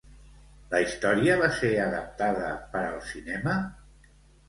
La història va ser adaptada per al cinema?